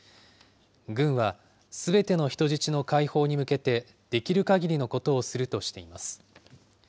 軍はすべての人質の解放に向けてできるかぎりのことをするとしています。